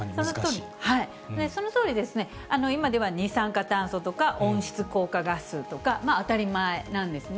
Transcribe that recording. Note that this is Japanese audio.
そのとおりですね、今では二酸化炭素とか、温室効果ガスとか、当たり前なんですね。